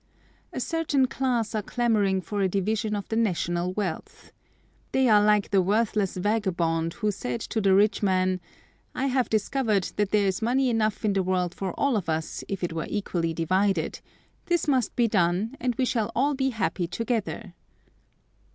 A certain class are clamoring for a division of the national wealth. They are like the worthless vagabond who said to the rich man, "I have discovered that there is money enough in the world for all of us if it was equally divided; this must be done, and we shall all be happy together."